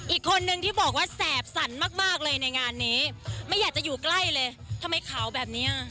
อีกคนนึงที่บอกว่าแสบสั่นมากมากเลยในงานนี้ไม่อยากจะอยู่ใกล้เลยทำไมเขาแบบเนี้ย